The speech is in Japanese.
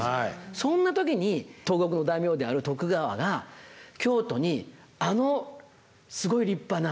そんな時に東国の大名である徳川が京都にあのすごい立派なお城を造る。